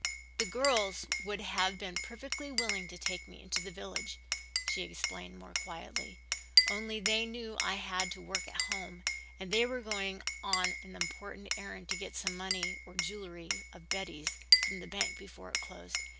"The girls would have been perfectly willing to take me into the village," she explained more quietly, "only they knew I had to work at home and they were going in on an important errand to get some money or jewelry of Betty's from the bank before it closed.